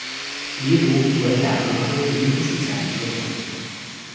藜芦为百合科藜芦属下的一个种。